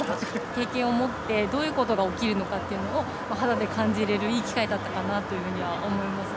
経験をもって、どういうことが起きるのかというのを、肌で感じれるいい機会だったかなとは思います。